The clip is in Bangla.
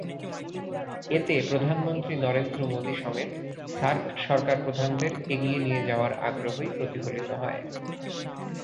এতে প্রধানমন্ত্রী নরেন্দ্র মোদিসমেত সার্ক সরকারপ্রধানদের এগিয়ে নিয়ে যাওয়ার আগ্রহই প্রতিফলিত হয়।